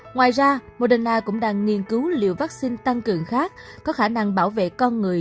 ngoài ra moderna cũng đang nghiên cứu liều vaccine tăng cường khác có khả năng bảo vệ con người